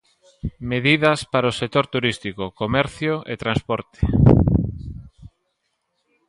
Medidas para o sector turístico, comercio e transporte.